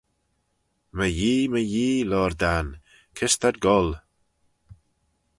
"My Yee, my Yee," loayr Dan, "kys t'ad goll!"